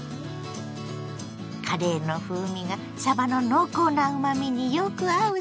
カレーの風味がさばの濃厚なうまみによく合うソテー。